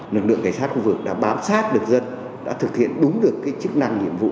lực lượng cảnh sát khu vực đã bám sát được dân đã thực hiện đúng được chức năng nhiệm vụ